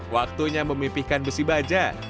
waktunya memipihkan besi baja